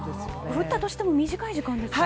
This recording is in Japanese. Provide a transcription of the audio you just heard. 降ったとしても短い時間ですか？